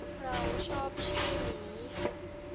เราชอบชื่อนี้